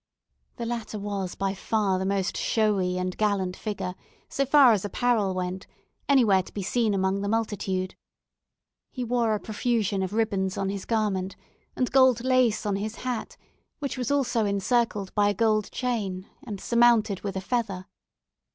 The latter was by far the most showy and gallant figure, so far as apparel went, anywhere to be seen among the multitude. He wore a profusion of ribbons on his garment, and gold lace on his hat, which was also encircled by a gold chain, and surmounted with a feather.